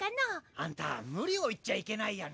あんたムリを言っちゃいけないやね。